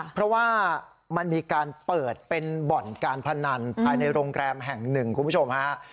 เพราะว่ามันมีการเปิดเป็นบ่อนการพนันภายในโรงแรมแห่งหนึ่งคุณผู้ชมฮะ